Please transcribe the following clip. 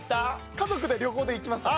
家族で旅行で行きました。